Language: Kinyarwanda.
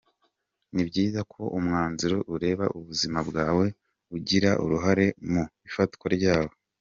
Ni byiza ko umwanzuro ureba ubuzima bwawe ugira uruhare mu ifatwa ryawo.